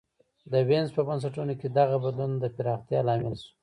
د وینز په بنسټونو کې دغه بدلون د پراختیا لامل شو